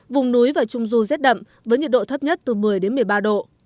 vùng núi và trung du rét đậm với nhiệt độ thấp nhất từ một mươi đến một mươi ba độ